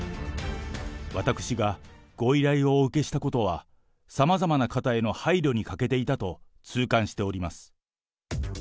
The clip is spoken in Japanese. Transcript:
私がご依頼をお受けしたことは、さまざまな方への配慮に欠けていたと痛感しております。